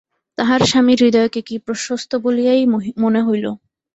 তাহার স্বামীর হৃদয়কে কি প্রশস্ত বলিয়াই মনে হইল।